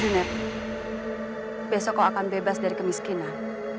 besok kau akan bebas dari kemiskinan